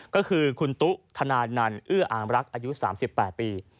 ก็คือคุณตุ๊ธนานันเอื้ออามรักอายุ๓๘ปี